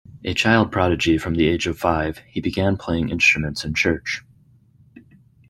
A child prodigy from the age of five, he began playing instruments in church.